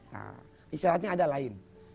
nah isyaratnya ada lain